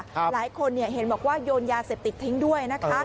หลายคนเห็นบอกว่าโยนยาเสพติดทิ้งด้วยนะคะ